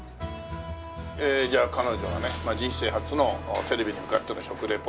じゃあ彼女がね人生初のテレビに向かっての食リポで。